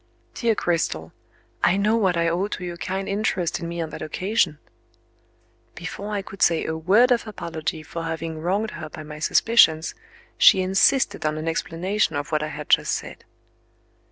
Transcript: "Dear Cristel, I know what I owe to your kind interest in me on that occasion!" Before I could say a word of apology for having wronged her by my suspicions, she insisted on an explanation of what I had just said.